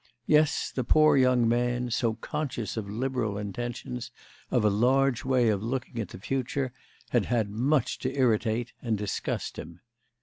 Yes, the poor young man, so conscious of liberal intentions, of a large way of looking at the future, had had much to irritate and disgust him.